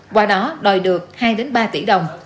qua đó đòi được hai ba tỷ đồng